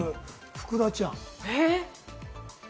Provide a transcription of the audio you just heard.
福田ちゃん。